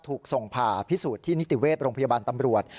ถูกส่งผ่าพิสูจน์ที่นิติเวชโรงพยาบาลตำรวจ